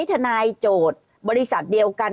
ทนายโจทย์บริษัทเดียวกัน